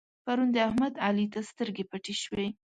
پرون د احمد؛ علي ته سترګې پټې شوې.